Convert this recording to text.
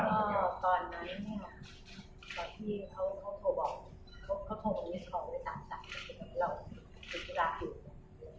แล้วก็ตอนนี้ตอนที่เขาโทรบอกเขาพูดว่ามันมีความรู้สึกต่างแล้วเราธุรกิจอยู่